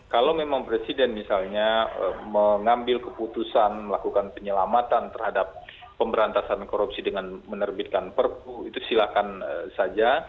kalau memang presiden misalnya mengambil keputusan melakukan penyelamatan terhadap pemberantasan korupsi dengan menerbitkan perpu itu silakan saja